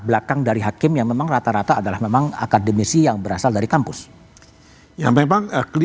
belakang dari hakim yang memang rata rata adalah memang akademisi yang berasal dari kampus ya memang